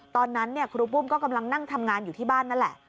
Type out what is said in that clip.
ตอนนั้นครูปุ้มก็กำลังนั่งทำงานอยู่ที่บ้านนั่นแหละ